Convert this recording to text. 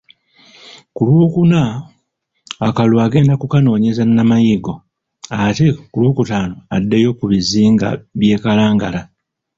Ku Lwookuna akalulu agenda kukanoonyeza Namayigo ate ku Lwookutaano addeyo ku bizinga by'e Kalangala.